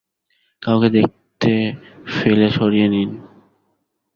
কাউকে দেখতে ফেলে, সরিয়ে নিন।